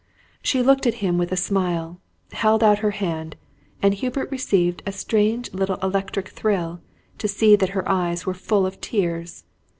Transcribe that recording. She looked at him with a smile, held out her hand; and Hubert received a strange little electric thrill, to see that her eyes were full of tears.